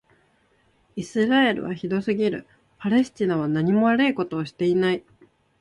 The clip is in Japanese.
イスラエルはひどすぎる。パレスチナはなにも悪いことをしていない。